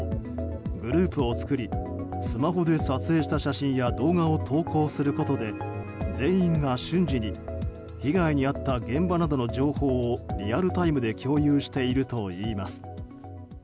グループを作りスマホで撮影した写真や動画を投稿することで全員が瞬時に被害に遭った現場などの情報をリアルタイムで共有しているといいます。